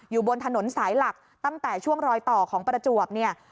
อยู่บนถนนสายหลักตั้งแต่ช่วงรอยต่อของประจวบเนี่ย